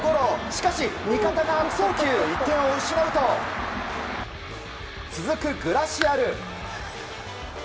しかし、味方からの送球で１点を失うと、続くグラシアル。